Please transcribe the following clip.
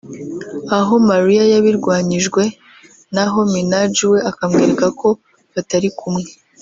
aho Maria yabirwanyijwe naho Minaj we akamwereka ko batari kumwe